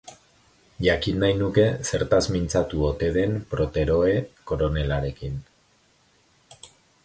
Jakin nahi nuke zertaz mintzatu ote zen Protheroe koronelarekin.